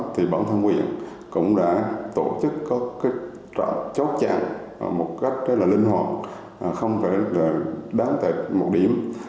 thì bản thân huyện cũng đã tổ chức các trạm chốt chặt một cách rất là linh hồn không phải là đáng tệ một điểm